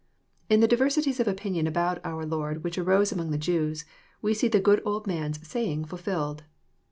In the diversities of opinion about our Lord which arose among the Jews, we see the good old man's saying fulfilled.